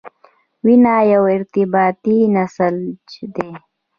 وینه یو ارتباطي نسج دی.